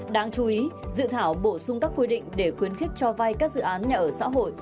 đáng chú ý dự thảo bổ sung các quy định để khuyến khích cho vay các dự án nhà ở xã hội